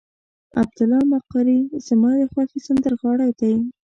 عبدالله مقری زما د خوښې سندرغاړی دی.